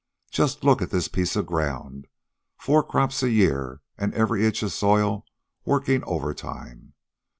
Just look at this piece of ground four crops a year, an' every inch of soil workin' over time.